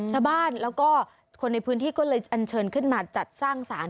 ชาวบ้านแล้วก็คนในพื้นที่ก็เลยอันเชิญขึ้นมาจัดสร้างสาร